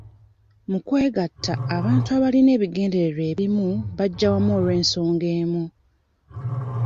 Mu kwegatta, abantu abalina ebigendererwa ebimu bajja wamu olw'ensonga emu.